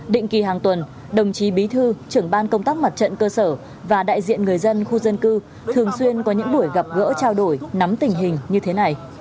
định kỳ hàng tuần đồng chí bí thư trưởng ban công tác mặt trận cơ sở và đại diện người dân khu dân cư thường xuyên có những buổi gặp gỡ trao đổi nắm tình hình như thế này